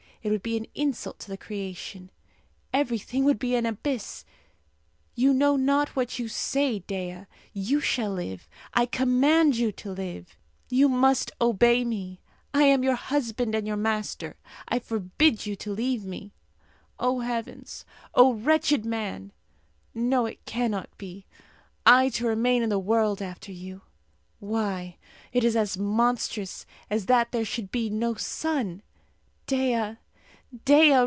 It would be an insult to the creation. Everything would be an abyss. You know not what you say, Dea. You shall live! I command you to live! You must obey me! I am your husband and your master; I forbid you to leave me! O heavens! O wretched Man! No, it cannot be I to remain in the world after you! Why, it is as monstrous as that there should be no sun! Dea! Dea!